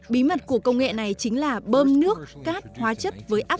bí mật của công nghệ này chính là bơm nước cát hóa chất với áp